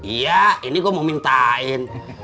iya ini gue mau mintain